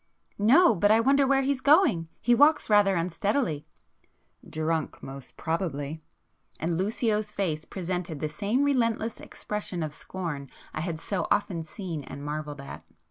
"No. But I wonder where he's going? He walks rather unsteadily." "Drunk, most probably!" And Lucio's face presented the same relentless expression of scorn I had so often seen and marvelled at.